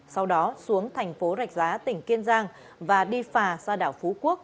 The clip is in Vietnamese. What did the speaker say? sau đó xuống thành phố rạch giá tỉnh kiên giang và đi phà ra đảo phú quốc